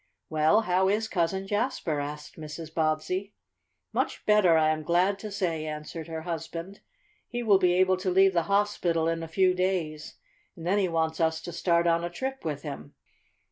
"Well, how is Cousin Jasper?" asked Mrs. Bobbsey. "Much better, I am glad to say," answered her husband. "He will be able to leave the hospital in a few days, and then he wants us to start on a trip with him."